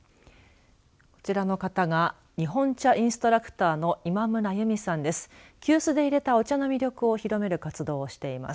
こちらの方が日本茶インストラクターの今村由美さんです。